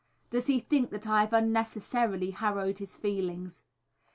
Does he think that I have unnecessarily harrowed his feelings?